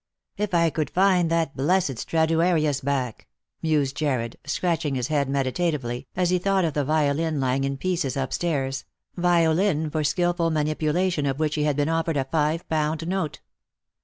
" If I could find that blessed Straduarius back," mused Jarred, scratching his head meditatively, as he thought of the violin lying in pieces up stairs — violin for skilful manipulation of which he had been offered a five pound note.